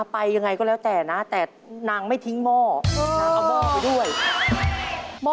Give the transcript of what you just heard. ไปอย่างไรก็แล้วแต่แต่นางไม่ทิ้งหม้อ